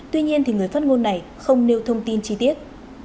tuy nhiên người phát ngôn này không nêu thông tin chi tiết